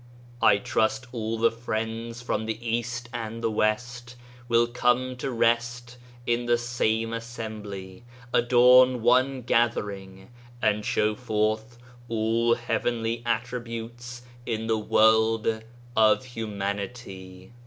I trust all the Friends from the East and the West will come to rest in the same as sembly, adorn one gathering, and show forth all heavenly attributes in the world of humanity."